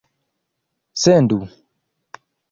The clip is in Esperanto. sendu